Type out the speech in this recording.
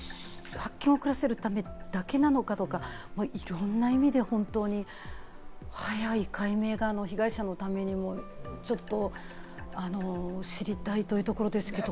発見を遅らせるためなのか、いろんな意味で本当に早い解明が被害者のためにも、ちょっと知りたいというところですけれども。